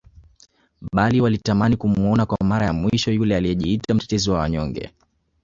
Bali walitamani kumuona kwa Mara ya mwisho yule aliyejiita mtetezi wa wanyonge